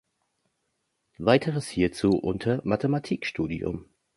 Weiteres hierzu unter Mathematikstudium.